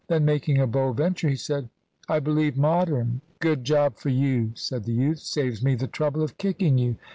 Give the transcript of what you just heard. Then making a bold venture, he said, "I believe Modern." "Good job for you," said the youth; "saves me the trouble of kicking you.